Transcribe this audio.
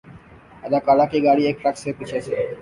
اداکارہ کی گاڑی ایک ٹرک سے پیچھے سے